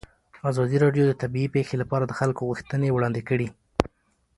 ازادي راډیو د طبیعي پېښې لپاره د خلکو غوښتنې وړاندې کړي.